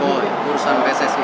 oh urusan presesi